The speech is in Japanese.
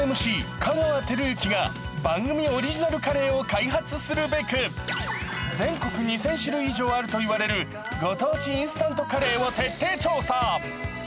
香川照之が番組オリジナルカレーを開発するべく全国２０００種類以上あると言われる御当地インスタントカレーを徹底調査。